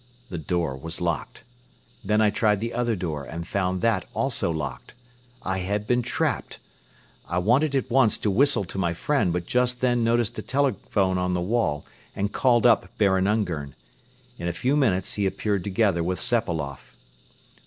The door was locked. Then I tried the other door and found that also locked. I had been trapped! I wanted at once to whistle to my friend but just then noticed a telephone on the wall and called up Baron Ungern. In a few minutes he appeared together with Sepailoff.